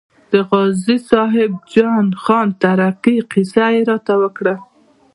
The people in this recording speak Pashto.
د غازي صاحب جان خان تره کې کیسه یې راته وکړه.